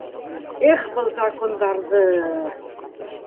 Их, был закондарҙы!..